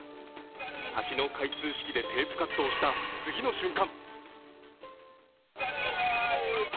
橋の開通式でテープカットをした次の瞬間